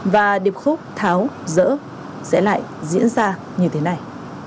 và điệp khúc tháo rỡ sẽ lại diễn ra như thế này